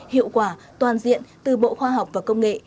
hiệu quả toàn diện từ bộ khoa học và công nghệ